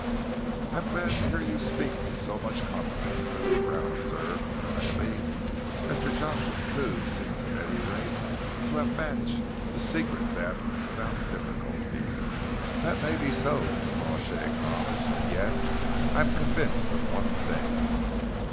"I am glad to hear you speak with so much confidence," Mr. Brown observed drily. "Mr. Jocelyn Thew seems at any rate to have managed to secrete them without difficulty." "That may be so," Crawshay acknowledged, "and yet I am convinced of one thing.